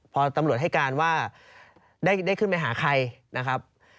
พอตำรวจให้การว่าได้ขึ้นไปหาใครนะครับ